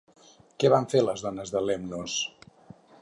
Què van fer les dones de Lemnos?